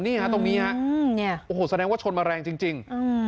นี่ฮะตรงนี้ฮะโอ้โหแสดงว่าชนมาแรงจริง